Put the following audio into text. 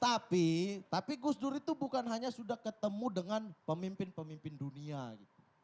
tapi tapi gus dur itu bukan hanya sudah ketemu dengan pemimpin pemimpin dunia gitu